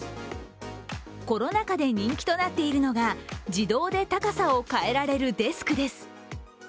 コロナ禍で人気となっているのが自動で高さを変えられるデスクです。